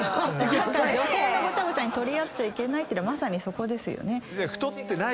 女性のごちゃごちゃに取り合っちゃいけないってまさにそこですよね。